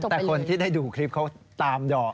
แต่คนที่ได้ดูคลิปเขาตามดอก